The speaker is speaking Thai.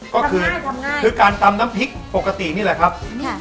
ก็คือทำง่ายทำง่ายคือการตำน้ำพริกปกตินี่แหละครับค่ะ